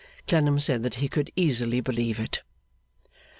Clennam said that he could easily believe it.